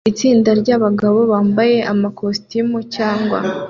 Itsinda ryabagabo bambaye amakositimu cyangwa